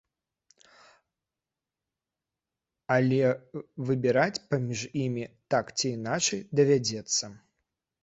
Але выбіраць паміж імі, так ці іначай, давядзецца.